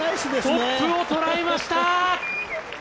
トップを捉えました！